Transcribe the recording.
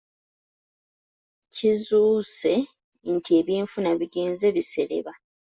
Kizuukuse nti ebyenfuna ebigenze bisereba.